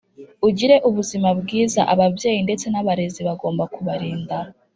ugire ubuzima bwiza Ababyeyi ndetse n abarezi bagomba kubarinda